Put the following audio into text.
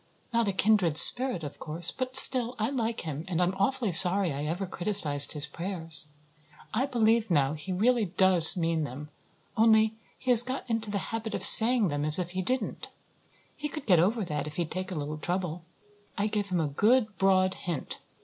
Not a kindred spirit, of course; but still I like him and I'm awfully sorry I ever criticized his prayers. I believe now he really does mean them, only he has got into the habit of saying them as if he didn't. He could get over that if he'd take a little trouble. I gave him a good broad hint.